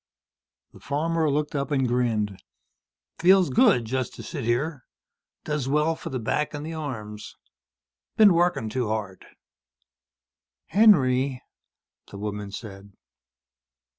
The farmer looked up and grinned. "Feels good. Just to sit here. Does well for the back and the arms. Been working too hard." "Henry," the woman said.